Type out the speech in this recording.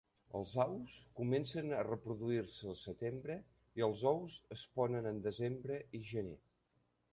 Els aus comencen a reproduir-se en desembre i els ous es ponen en desembre i gener.